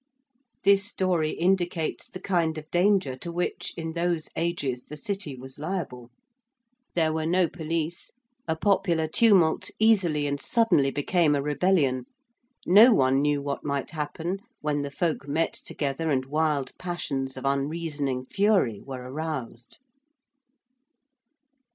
This story indicates the kind of danger to which, in those ages, the City was liable. There were no police; a popular tumult easily and suddenly became a rebellion: no one knew what might happen when the folk met together and wild passions of unreasoning fury were aroused.